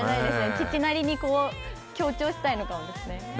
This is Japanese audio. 父なりに強調したいのかもしれないですね。